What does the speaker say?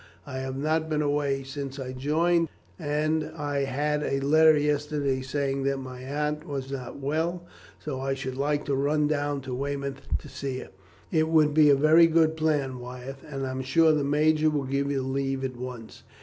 I have not been away since I joined, and I had a letter yesterday saying that my aunt was not very well; so I should like to run down to Weymouth to see her." "It would be a very good plan, Wyatt, and I am sure the major will give you leave at once."